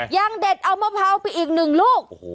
ยังเด็ดเอามะพร้าวไปอีกหนึ่งลูก